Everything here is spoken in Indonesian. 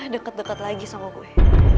deket deket lagi sama gue